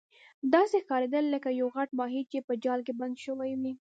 داسې ښکاریدل لکه یو غټ ماهي چې په جال کې بند شوی وي.